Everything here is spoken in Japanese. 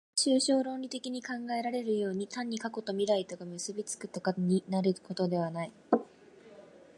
抽象論理的に考えられるように、単に過去と未来とが結び附くとか一になるとかいうのではない。